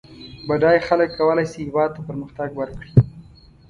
بډای خلک کولای سي هېواد ته پرمختګ ورکړي